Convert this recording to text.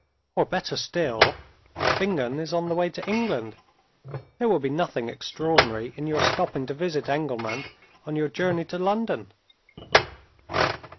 "Or, better still, Bingen is on the way to England. There will be nothing extraordinary in your stopping to visit Engelman, on your journey to London."